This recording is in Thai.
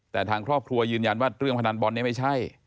แต่ทางครอบครัวยืนยันว่าเรื่องพนันบอลนี้ไม่ใช่